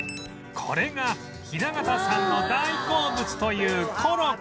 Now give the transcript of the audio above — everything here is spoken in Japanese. これが雛形さんの大好物というコロッケ